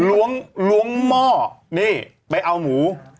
ล้วงหม้อนี่ไปเอาหมู